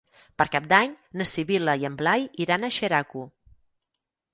Per Cap d'Any na Sibil·la i en Blai iran a Xeraco.